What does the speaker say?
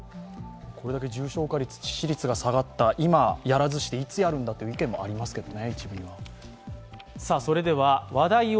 これだけ重症化率、致死率が下がった今やらずしていつやるんだという意見も一部にはありますけどね。